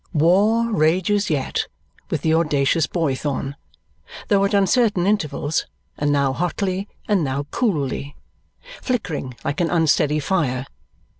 War rages yet with the audacious Boythorn, though at uncertain intervals, and now hotly, and now coolly, flickering like an unsteady fire.